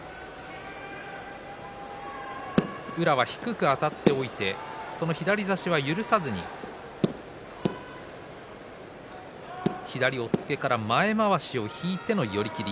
宇良は低くあたっておいてその左差しを許さずに左押っつけから前まわしを引いての寄り切り。